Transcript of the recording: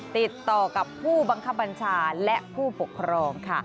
ติดต่อกับผู้บังคับบัญชาและผู้ปกครองค่ะ